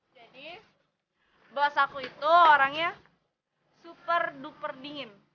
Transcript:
jadi bos aku itu orangnya super duper dingin